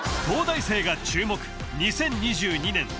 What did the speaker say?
東大生が注目２０２２年